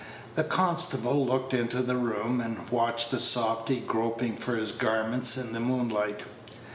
The constable looked into the room, and watched the softy groping for his garments in the moonlight.